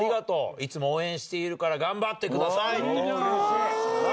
いつも応援しているから頑張ってくださいって。